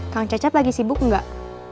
kang cecep lagi sibuk enggak